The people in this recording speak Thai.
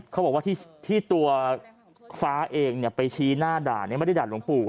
เขาบอกว่าที่ตัวฟ้าเองไปชี้หน้าด่านไม่ได้ด่าหลวงปู่